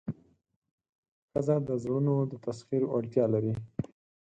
ښځه د زړونو د تسخیر وړتیا لري.